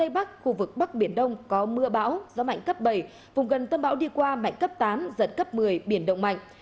bắc khu vực bắc biển đông có mưa bão gió mạnh cấp bảy vùng gần tâm bão đi qua mạnh cấp tám giật cấp một mươi biển động mạnh